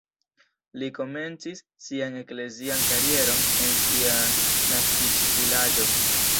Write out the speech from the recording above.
Li komencis sian eklezian karieron en sia naskiĝvilaĝo.